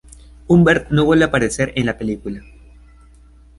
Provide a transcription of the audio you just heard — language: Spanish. Humbert no vuelve a aparecer en la película.